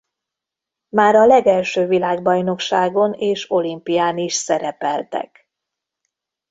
Már a legelső világbajnokságon és olimpián is szerepeltek.